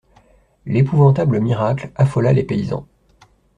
L'épouvantable miracle affola les paysans.